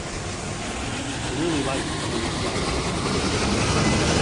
I really liked the film we saw last week.